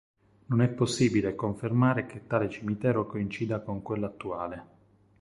Non è possibile confermare che tale cimitero coincida con quello attuale.